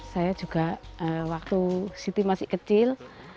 saya juga waktu siti masih kecil